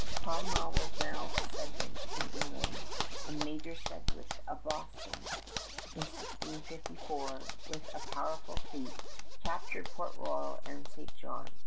Cromwell was now ascendant in England, and Major Sedgwick of Boston, in 1654, with a powerful fleet, captured Port Royal and St. John.